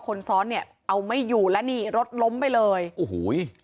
คนซ้อนเนี่ยเอาไม่อยู่แล้วนี่รถล้มไปเลยโอ้โห